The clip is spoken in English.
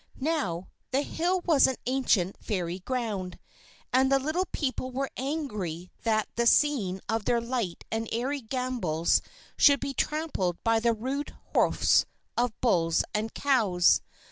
Now, the hill was ancient Fairy ground, and the Little People were angry that the scene of their light and airy gambols should be trampled by the rude hoofs of bulls and cows.